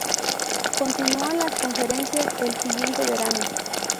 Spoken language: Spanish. Continuó las conferencias el siguiente verano.